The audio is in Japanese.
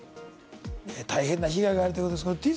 大変な被害があるということですけれども、てぃ